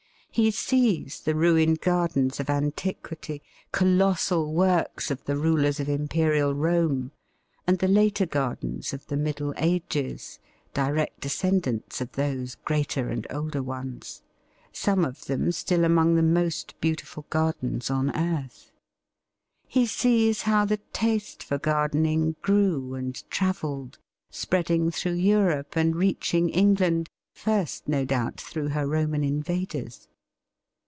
He sees the ruined gardens of antiquity, colossal works of the rulers of Imperial Rome, and the later gardens of the Middle Ages (direct descendants of those greater and older ones), some of them still among the most beautiful gardens on earth. He sees how the taste for gardening grew and travelled, spreading through Europe and reaching England, first, no doubt, through her Roman invaders.